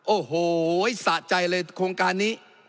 โอ้โหสะใจเลยโครงการนี้